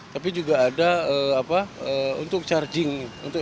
tapi juga ada untuk charging